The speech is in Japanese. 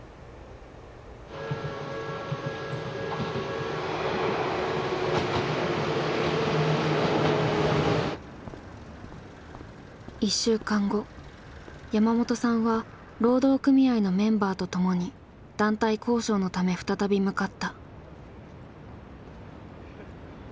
だからやっぱり１週間後山本さんは労働組合のメンバーと共に団体交渉のため再び向かった。